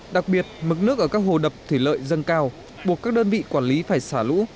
đặc biệt mức nước ở các hồ đập thủy lợi dâng cao buộc các đơn vị quản lý phải xả lũ